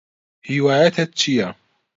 هیوایەتت چییە؟